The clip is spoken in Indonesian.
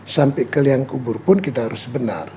sampai ke liang kubur pun kita harus benar